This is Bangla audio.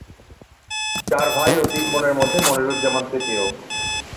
চার ভাই ও তিন বোনের মধ্যে মনিরুজ্জামান তৃতীয়।